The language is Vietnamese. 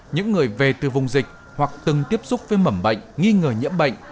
những người về từ vùng dịch hoặc từng tiếp xúc với mẩm bệnh nghi ngờ nhiễm bệnh